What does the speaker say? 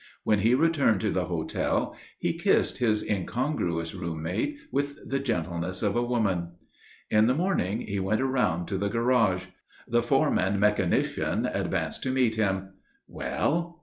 When he returned to the hotel he kissed his incongruous room mate with the gentleness of a woman. In the morning he went round to the garage. The foreman mechanician advanced to meet him. "Well?"